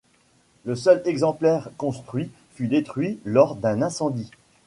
Le seul exemplaire construit fut détruit lors d'un incendie.